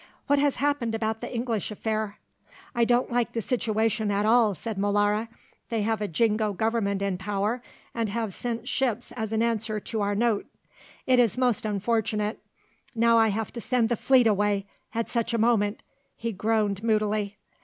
What has happened about the English affair?" "I don't like the situation at all," said Molara. "They have a Jingo Government in power and have sent ships as an answer to our note. It is most unfortunate. Now I have to send the fleet away, at such a moment." He groaned moodily.